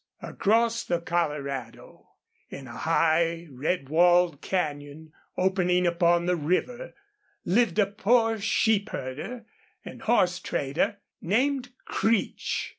Across the Colorado, in a high, red walled canyon opening upon the river, lived a poor sheep herder and horse trader named Creech.